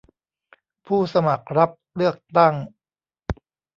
ผู้สมัครรับเลือกตั้ง